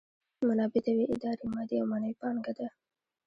منابع د یوې ادارې مادي او معنوي پانګه ده.